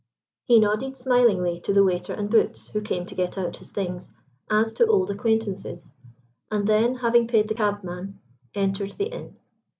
He nodded smilingly to the waiter and boots, who came to get out his things, as to old acquaintances, and then, having paid the cabman, entered the inn.